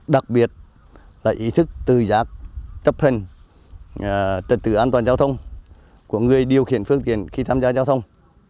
đặc biệt là ý thức tự giác chấp hành trật tự an toàn giao thông của người điều khiển phương tiện khi tham gia giao thông